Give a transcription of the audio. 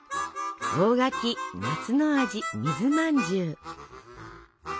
大垣夏の味水まんじゅう。